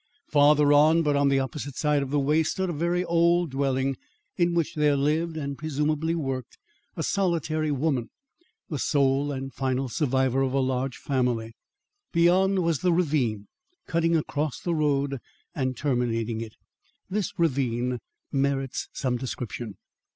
Farther on, but on the opposite side of the way, stood a very old dwelling in which there lived and presumably worked, a solitary woman, the sole and final survivor of a large family. Beyond was the ravine, cutting across the road and terminating it. This ravine merits some description.